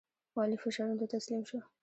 والي فشارونو ته تسلیم شو.